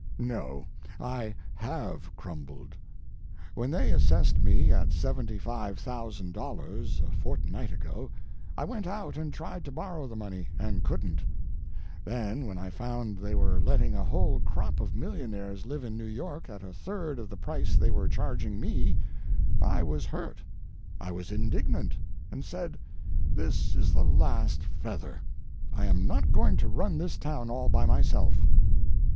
No—I have crumbled. When they assessed me at $75,000 a fortnight ago I went out and tried to borrow the money, and couldn't; then when I found they were letting a whole crop of millionaires live in New York at a third of the price they were charging me I was hurt, I was indignant, and said: "This is the last feather. I am not going to run this town all by myself."